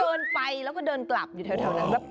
เดินไปแล้วก็เดินกลับอยู่แถวนั้น